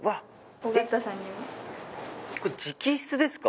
これ直筆ですか？